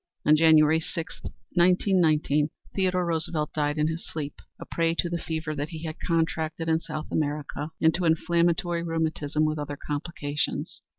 On January 6, 1919, Theodore Roosevelt died in his sleep, a prey to the fever that he had contracted in South America and to inflammatory rheumatism with other complications.